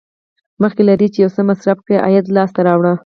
مخکې له دې چې یو څه مصرف کړئ عاید لاسته راوړه.